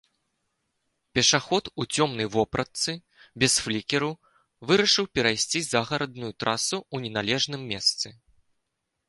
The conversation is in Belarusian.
Пешаход у цёмнай вопратцы без флікераў вырашыў перайсці загарадную трасу ў неналежным месцы.